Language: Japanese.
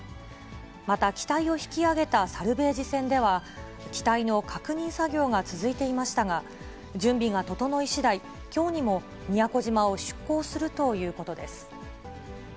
また機体を引き揚げたサルベージ船では、機体の確認作業が続いていましたが、準備が整いしだい、きょうにも宮古島を出港するということです。